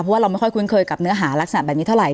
เพราะว่าเราไม่ค่อยคุ้นเคยกับเนื้อหารักษณะแบบนี้เท่าไห